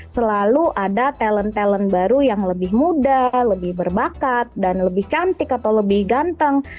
selalu ada talent talent baru yang lebih muda lebih berbakat dan lebih cantik atau lebih ganteng